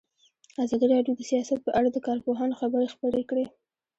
ازادي راډیو د سیاست په اړه د کارپوهانو خبرې خپرې کړي.